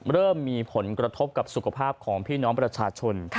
เริ่มมีผลกระทบกับสุขภาพของพี่น้องประชาชน